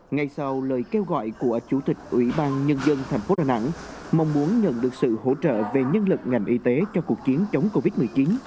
ngay sau lời kêu gọi của chủ tịch ủy ban nhân dân thành phố đà nẵng mong muốn nhận được sự hỗ trợ về nhân lực ngành y tế cho cuộc chiến chống covid một mươi chín